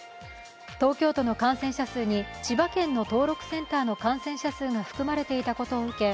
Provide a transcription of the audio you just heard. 東京都の感染者数に千葉県の登録センターの感染者数が含まれていたことを受け